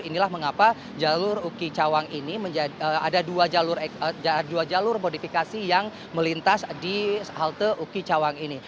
inilah mengapa jalur uki cawang ini ada dua jalur modifikasi yang melintas di halte uki cawang ini